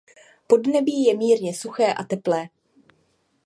Podnebí je mírně suché a teplé.